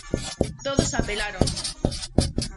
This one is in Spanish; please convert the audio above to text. Todos apelaron.